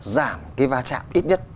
giảm cái va chạm ít nhất